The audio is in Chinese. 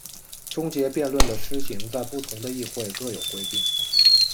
终结辩论的施行在不同的议会各有规定。